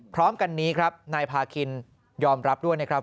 พร้อมกันนี้ครับนายพาคินยอมรับด้วยนะครับ